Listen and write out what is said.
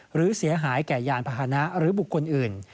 หรือเสียหายแก่ยานพาหนะหรือบุคคลอื่น